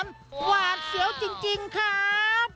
สวัสดีครับ